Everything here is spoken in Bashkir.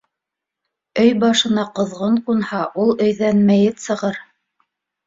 Өй башына ҡоҙғон ҡунһа, ул өйҙән мәйет сығыр.